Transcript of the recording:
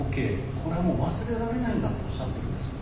これはもう忘れられないんだとおっしゃっているんですね。